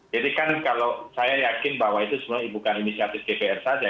jadi kan kalau saya yakin bahwa itu sebenarnya bukan imigratis gpr saja